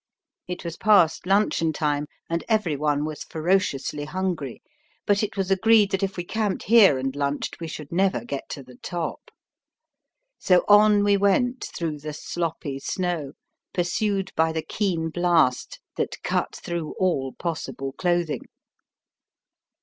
It was past luncheon time, and every one was ferociously hungry; but it was agreed that if we camped here and lunched, we should never get to the top. So on we went, through the sloppy snow, pursued by the keen blast that cut through all possible clothing.